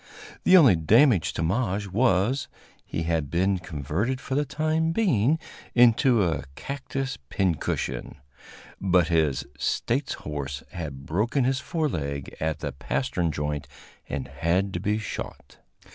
The only damage to Maje was, he had been converted for the time being into a cactus pincushion; but his "States" horse had broken his fore leg at the pastern joint and had to be shot.